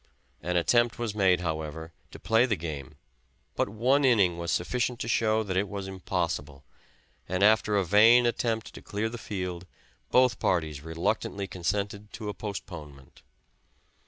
An attempt was made, however, to play the game, but one inning was sufficient to show that it was impossible, and after a vain attempt to clear the field both parties reluctantly consented to a postponement.